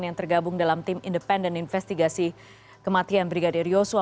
yang tergabung dalam tim independen investigasi kematian brigadir yosua